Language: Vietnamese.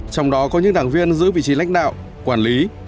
trong đó có những đảng viên giữ vị trí lãnh đạo quản lý